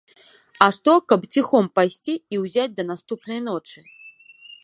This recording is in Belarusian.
А што каб ціхом пайсці і ўзяць да наступнай ночы?